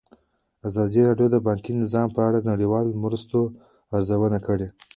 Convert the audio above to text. ازادي راډیو د بانکي نظام په اړه د نړیوالو مرستو ارزونه کړې.